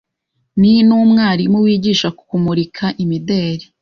ni n’umwarimu wigisha kumurika imideri